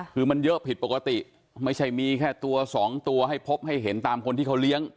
คือมันเยอะผิดปกติไม่ใช่มีแค่ตัวสองตัวให้พบให้เห็นตามคนที่เขาเลี้ยง